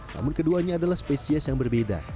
namun keduanya adalah spesies yang berbeda